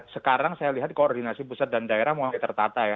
sekarang saya lihat koordinasi pusat dan daerah mulai tertata ya